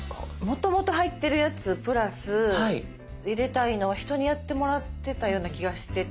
もともと入ってるやつプラス入れたいのは人にやってもらってたような気がしてて。